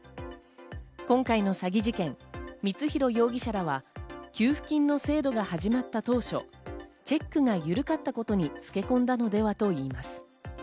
今回の詐欺事件、光弘容疑者らは給付金の制度が始まった当初、チェックが緩かったことにつけ込んだのではといいます。